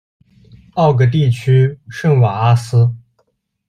奥格地区圣瓦阿斯。